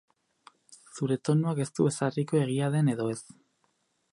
Zure tonuak ez du ezarriko egia den edo ez.